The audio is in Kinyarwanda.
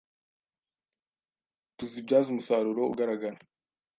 tuzibyaze umusaruro ugaragara.